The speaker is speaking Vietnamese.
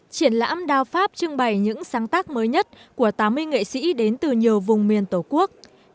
triển lãm đa pháp trưng bày những sáng tác mới nhất của tám mươi nghệ sĩ đến từ nhiều vùng miền tổ quốc